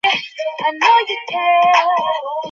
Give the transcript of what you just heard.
Sir, এটা একটা সাধারণ রেইড।